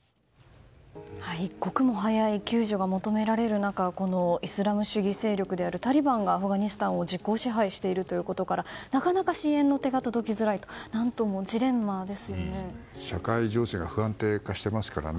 一刻も早い救助が求められる中イスラム主義勢力であるタリバンがアフガニスタンを実効支配しているということからなかなか支援の手が届きづらいと社会情勢が不安定化していますからね。